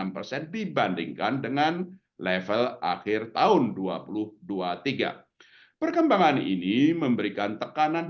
enam persen dibandingkan dengan level akhir tahun dua ribu dua puluh tiga perkembangan ini memberikan tekanan